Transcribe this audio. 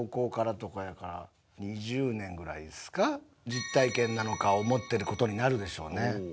実体験なのか思ってる事になるでしょうね。